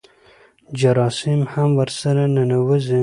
جراثیم هم ورسره ننوځي.